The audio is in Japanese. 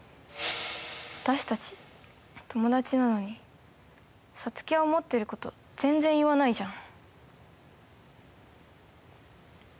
私たち、友達なのに、サツキは思ってること全然言わないじゃん。